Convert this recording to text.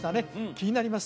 気になります